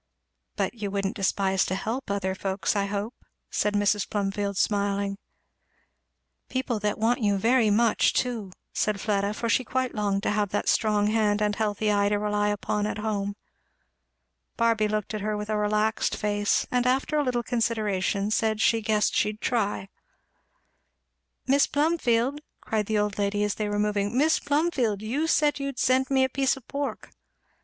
"But you wouldn't despise to help other folks, I hope," said Mrs. Plumfield smiling. "People that want you very much too," said Fleda; for she quite longed to have that strong hand and healthy eye to rely upon at home. Barby looked at her with a relaxed face, and after a little consideration said "she guessed she'd try." "Mis' Plumfield," cried the old lady as they were moving, "Mis' Plumfield, you said you'd send me a piece of pork."